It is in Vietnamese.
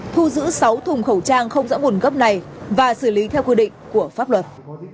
thu giữ sáu thùng khẩu trang không dõi bùn gấp này và xử lý theo quy định của pháp luật